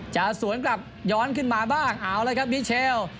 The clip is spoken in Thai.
จะสวนกลับย้อนขึ้นมาบ้างอ๋าวมิเชล